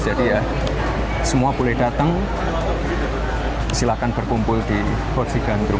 jadi ya semua boleh datang silakan berkumpul di hosi gang drum